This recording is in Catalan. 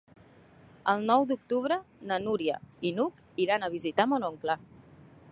El nou d'octubre na Núria i n'Hug iran a visitar mon oncle.